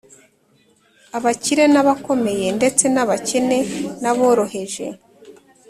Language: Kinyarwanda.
abakire n’abakomeye, ndetse n’abakene n’aboroheje